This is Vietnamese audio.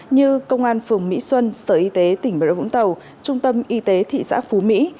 như công an phường mỹ xuân sở y tế tỉnh bà rối vũng tàu trung tâm y tế thị xã phú mỹ